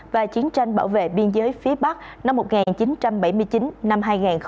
và chiến tranh bảo vệ biên giới phía bắc năm một nghìn chín trăm bảy mươi chín hai nghìn một mươi tám